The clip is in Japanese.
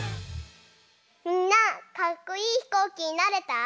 みんなかっこいいひこうきになれた？